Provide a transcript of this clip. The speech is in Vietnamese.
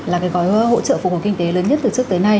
là gói hỗ trợ phục hồi kinh tế lớn nhất từ trước tới nay